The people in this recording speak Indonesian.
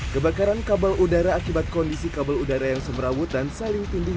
kebakaran kabel udara akibat kondisi kabel udara yang semerawut dan saling tindih